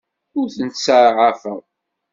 Ur tent-ttsaɛafeɣ.